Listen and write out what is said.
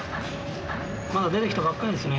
まだ出てきたばっかりですね。